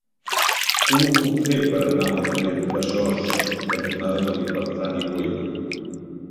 Com ho puc fer per anar al carrer Besòs cantonada Felip Bertran i Güell?